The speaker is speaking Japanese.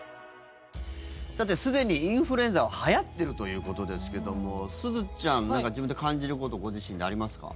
さてすでにインフルエンザがはやってるということですけどもすずちゃん何か自分で感じることご自身でありますか？